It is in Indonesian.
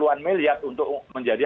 empat puluh an miliar untuk menjadi